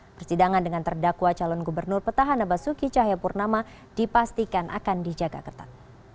persidangan dengan terdakwa calon gubernur petahan abasuki cahayapurnama dipastikan akan dijaga kertan